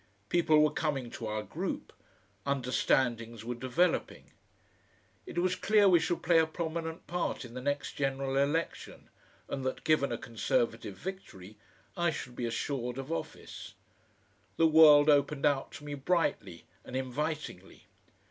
People were coming to our group, understandings were developing. It was clear we should play a prominent part in the next general election, and that, given a Conservative victory, I should be assured of office. The world opened out to me brightly and invitingly.